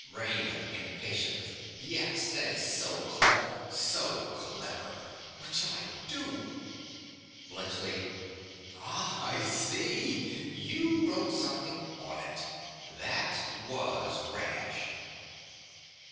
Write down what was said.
RAINA. (impatiently). Yes, that is so clever—so clever! What shall I do? BLUNTSCHLI. Ah, I see. You wrote something on it. That was rash!